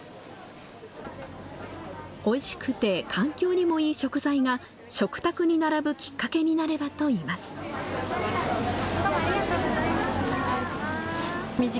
おいしくて環境にもいい食材が、食卓に並ぶきっかけになればといいます。